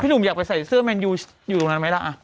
หนุ่มอยากไปใส่เสื้อแมนยูอยู่ตรงนั้นไหมล่ะ